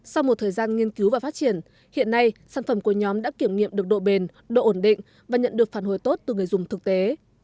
sau một thời gian nghiên cứu và phát triển hiện nay sản phẩm của nhóm đã kiểm nghiệm được độ bền độ ổn định và nhận được phản hồi tốt từ người dùng thực tế